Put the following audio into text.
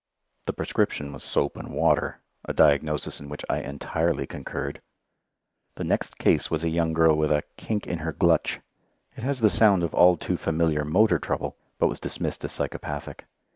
The prescription was soap and water a diagnosis in which I entirely concurred. The next case was a young girl with a "kink in her glutch." It has the sound of all too familiar motor trouble, but was dismissed as psychopathic.